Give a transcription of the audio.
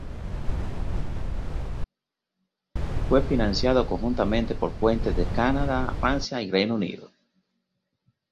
Fue financiado conjuntamente por fuentes de Canadá, Francia y Reino Unido.